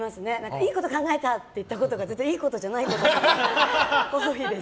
いいこと考えたって言ったことが全然いいことじゃないことが多い。